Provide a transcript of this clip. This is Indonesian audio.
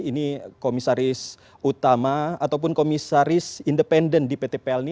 ini komisaris utama ataupun komisaris independen di pt pelni